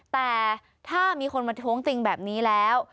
แต่ถ้ามีคนมาท้วงจริงแบบนี้แล้ว